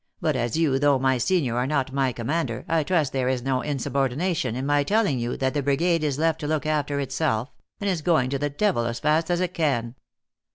" But as you, though my senior, are not my commander, I trust there is no insubordination in my telling you that the brigade is left to look after itself, and is going to the devil as fast as it can."